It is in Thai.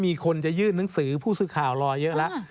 มีคนจะยื่นหนังสือผู้สื่อข่าวรอเยอะแล้ว